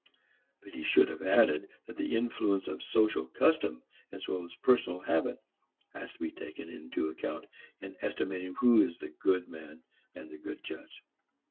(But he should have added that the influence of social custom as well as personal habit has to be taken into account in estimating who is the good man and the good judge.)